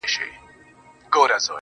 ستا د سکروټو سترگو رنگ به سم، رڼا به سم,